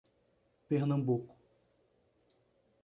Pernambuco